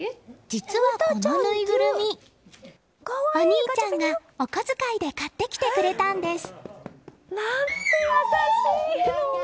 実は、このぬいぐるみお兄ちゃんがお小遣いで買ってきたくれたんです。